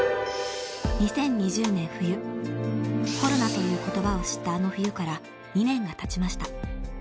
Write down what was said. ［２０２０年冬コロナという言葉を知ったあの冬から２年がたちました］